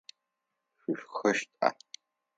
Шъущхэщта?